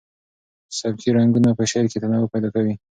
سبکي رنګونه په شعر کې تنوع پیدا کوي.